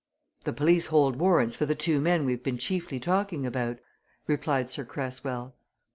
"The police hold warrants for the two men we've been chiefly talking about," replied Sir Cresswell.